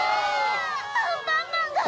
アンパンマンが。